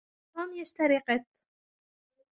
توم يشترى قِط.